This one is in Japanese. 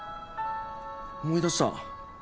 思い出した。